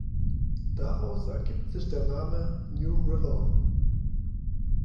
Daraus ergibt sich der Name "New River".